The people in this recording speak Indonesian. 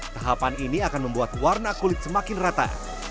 tahapan ini akan membuat warna kulit semakin rata